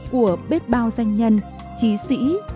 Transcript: của bếp bao danh nhân chí sĩ